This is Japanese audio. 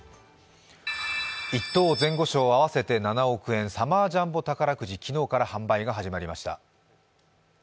１等前後賞合わせて７億円、サマージャンボ宝くじ、昨日から販売が始まりました。